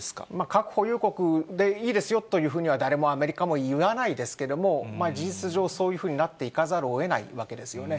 核保有国でいいですよというふうには、誰もアメリカも言わないですけれども、事実上、そういうふうになっていかざるをえないわけですよね。